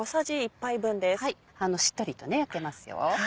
しっとりと焼けますよ。